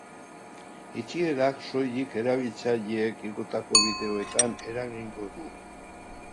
Itxierak soilik erabiltzaileek igotako bideoetan eragingo du.